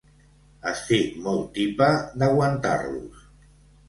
Estic molt tipa d'aguantar-los.